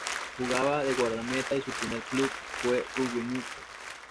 Jugaba de guardameta y su primer club fue Rubio Ñu.